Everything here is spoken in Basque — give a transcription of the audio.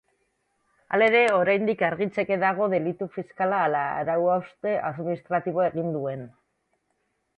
Halere, oraindik argitzeke dago delitu fiskala ala arau-hauste administratiboa egin duen.